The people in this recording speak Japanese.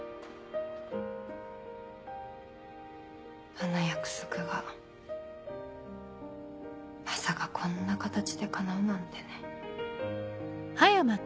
あの約束がまさかこんな形でかなうなんてね。